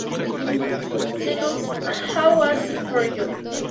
Singles "How was it for you?